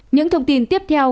những thông tin tiếp theo